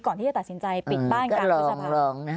ก่อนที่จะตัดสินใจปิดบ้านการคุณสมัครอืมก็ลองนะ